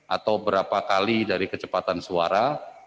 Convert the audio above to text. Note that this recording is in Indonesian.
atau berapa kali dari kecepatan suara